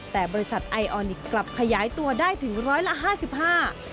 แต่บริษัทไอออนิกส์กลับขยายตัวได้ถึงร้อยละ๕๕